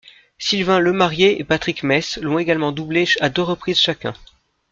Sylvain Lemarié et Patrick Messe l'ont également doublé à deux reprises chacun.